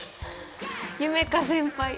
夢叶先輩！